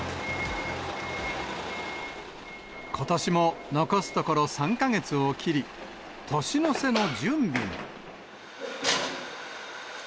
ことしも残すところ３か月を切り、年の瀬の準備も。